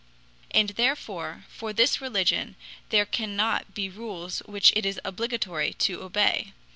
And therefore for this religion there cannot be rules which it is obligatory to obey.